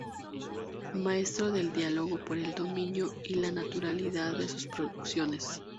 Maestro del diálogo por el dominio y la naturalidad de sus producciones.